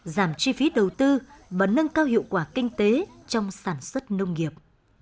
giảm chi phí đầu tư và nâng cao hiệu quả kinh tế trong sản xuất nông nghiệp